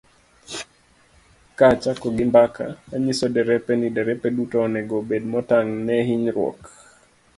Ka achako gi mbaka, anyiso derepe ni derepe duto onego obed motang ' ne hinyruok.